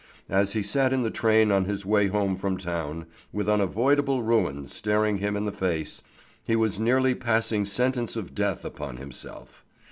As he sat in the train on his way home from town, with unavoidable ruin staring him in the face, he was nearly passing sentence of death upon himself.